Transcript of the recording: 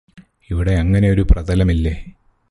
ഇവിടെ അങ്ങനെയൊരു പ്രതലമില്ലേ